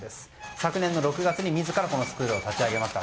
昨年の６月にスクールを立ち上げました。